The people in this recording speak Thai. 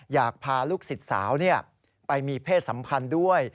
อยากพาลูกสิทธิสาวไปมีเพศสำคัญด้วย